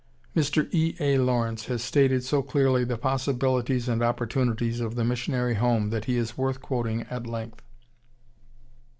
] Mr. E. A. Lawrence has stated so clearly the possibilities and opportunities of the missionary home that he is worth quoting at length.